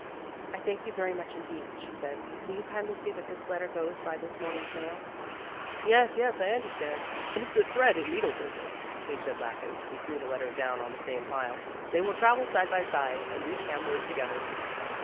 "I thank you very much indeed," she said, "will you kindly see that this letter goes by this morning's mail?" "Yes, yes, I understand; it's a thread and needle business," he said laughing, as he threw the letters down on the same pile. "They will travel side by side and reach Hamburg together."